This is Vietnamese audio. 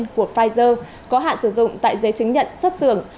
các lô vaccine của pfizer có hạn sử dụng tại giấy chứng nhận xuất xưởng